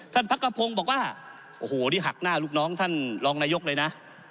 พักกระพงศ์บอกว่าโอ้โหนี่หักหน้าลูกน้องท่านรองนายกเลยนะ